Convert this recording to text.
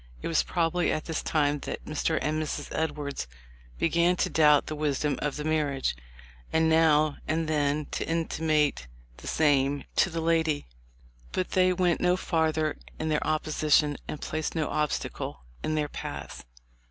It was prob ably at this time that Mr. and Mrs. Edwards began to doubt the wisdom of the marriage, and now and then to intimate the same to the lady ; but they went no farther in their opposition and placed no obstacle in their paths.